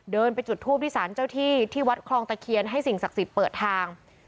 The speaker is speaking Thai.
เดินไปจุดทูปที่สารเจ้าที่ที่วัดคลองตะเคียนให้สิ่งศักดิ์สิทธิ์เปิดทาง